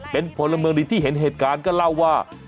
เป็นพลเมืองดีที่เห็นเหตุการณ์ก็เล่าว่า